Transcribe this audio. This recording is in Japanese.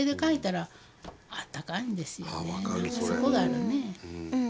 そこがあるね。